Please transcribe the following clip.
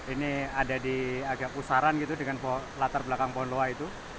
ini ada di agak pusaran gitu dengan latar belakang pohon loa itu